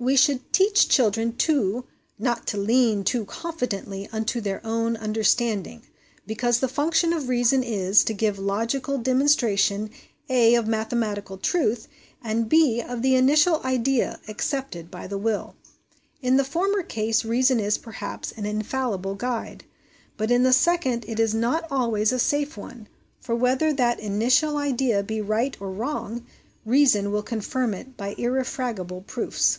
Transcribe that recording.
We should teach children, too, not to ' lean ' (too confidently) ' unto their own understanding,' because the function of reason is, to give logical demonstration (a) of mathe matical truth ; and (b) of an initial idea, accepted by the will. In the former case reason is, perhaps, an infallible guide, but in the second it is not always a safe one ; for whether that initial idea be right or wrong, reason will confirm it by irrefragable proofs.